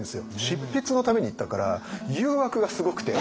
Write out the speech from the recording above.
執筆のために行ったから誘惑がすごくて。